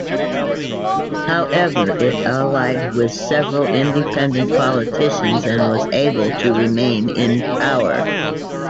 However, it allied with several independent politicians and was able to remain in power.